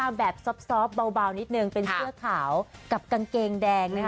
เป็นเสื้อขาวกับกางเกงแดง